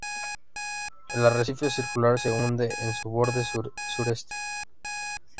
El arrecife circular se hunde en su borde sureste.